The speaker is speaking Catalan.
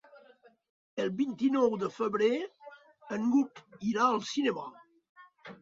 El vint-i-nou de febrer n'Hug irà al cinema.